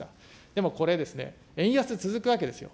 でもこれですね、円安続くわけですよ。